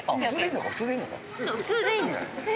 普通でいいのか。